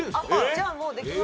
じゃあもうできますね。